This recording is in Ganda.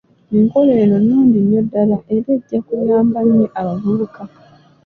Enkola eno nnungi nnyo ddala era ejja kuyamba nnyo abavubuka.